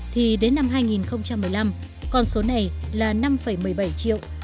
thì đến năm hai nghìn một mươi năm con số này là năm một mươi bảy triệu